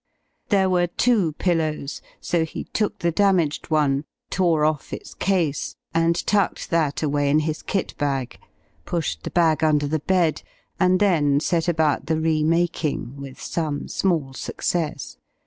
There were two pillows, so he took the damaged one, tore off its case, and tucked that away in his kit bag, pushed the bag under the bed, and then set about the remaking, with some small success.